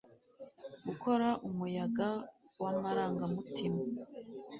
gukora umuyaga wamarangamutima